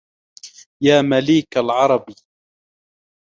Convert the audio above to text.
يا مليك العَربِ